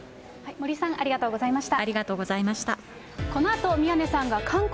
森さん、ありがとうございました。